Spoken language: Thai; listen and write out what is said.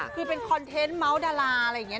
คือเป็นคอนเทนต์เมาส์ดาราอะไรอย่างนี้